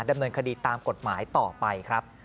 ดำเนินคดีตามกฎหมายต่อไปครับ